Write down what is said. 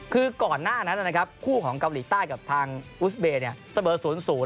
คือก่อนหน้านั้นนะครับคู่ของเกาหลีใต้กับทางอุสเบย์เสมอ๐๐